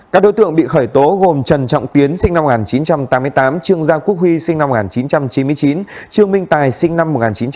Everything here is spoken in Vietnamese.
các đối tượng bị khởi tố gồm trần trọng tiến sinh năm một nghìn chín trăm tám mươi tám trương giang quốc huy sinh năm một nghìn chín trăm chín mươi chín trương minh tài sinh năm một nghìn chín trăm tám mươi